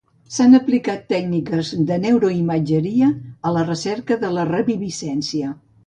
S'han aplicat tècniques de neuroimatgeria a la recerca de reviviscència.